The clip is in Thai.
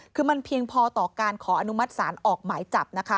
คือมันเพียงพอต่อการขออนุมัติศาลออกหมายจับนะคะ